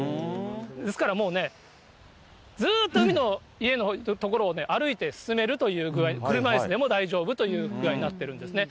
ですからもうね、ずっと海の家の所を歩いて進めるという具合、車いすでも大丈夫という具合になっているんですね。